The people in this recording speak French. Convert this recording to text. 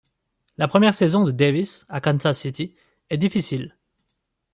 La première saison de Davis à Kansas City est difficile.